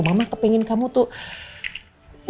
mama kepingin kamu tuh